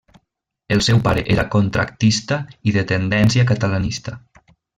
El seu pare era contractista i de tendència catalanista.